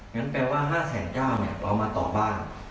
งั้นแปลว่าห้าแสนเก้าเนี่ยเอามาต่อบ้าน